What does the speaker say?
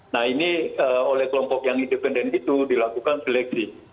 nah ini oleh kelompok yang independen itu dilakukan seleksi